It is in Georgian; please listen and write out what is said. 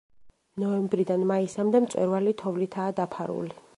ნოემბრიდან მაისამდე, მწვერვალი თოვლითაა დაფარული.